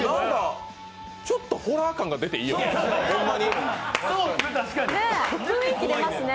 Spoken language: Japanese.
ちょっとホラー感が出ていいよね。